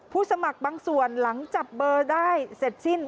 สมัครบางส่วนหลังจับเบอร์ได้เสร็จสิ้น